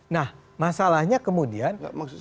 nah masalahnya kemudian